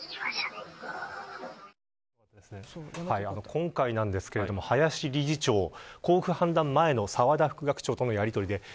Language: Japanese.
今回なんですけれども林理事長交付判断前の澤田副学長とのやりとりで。